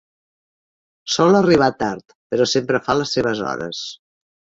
Sol arribar tard, però sempre fa les seves hores.